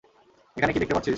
এখানে কি দেখতে পারছিস?